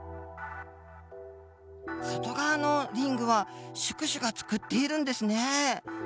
外側のリングは宿主がつくっているんですね。